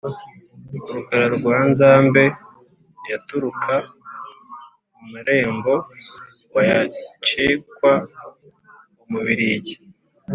Rukara rwa Nzambe yaturuka mu marembo wayacekwa-Umubirigi.